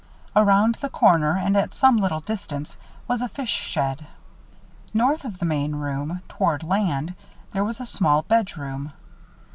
Around the corner, and at some little distance, was a fish shed. North of the main room, toward land, there was a small bedroom.